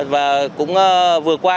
và cũng vừa qua